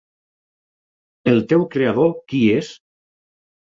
El teu creador, qui és?